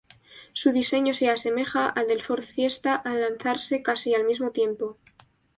Su diseño se asemeja al del Ford Fiesta a lanzarse casi al mismo tiempo.